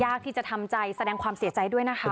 ที่จะทำใจแสดงความเสียใจด้วยนะคะ